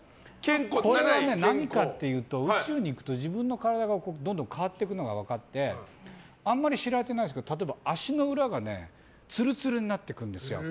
これがね、何かっていうと宇宙に行くと自分の体がどんどん変わっていくのが分かってあんまり知られてないんですけど例えば足の裏がつるつるになっていくんですよ。